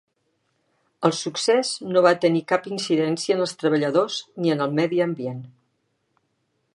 El succés no va tenir cap incidència en els treballadors ni en el medi ambient.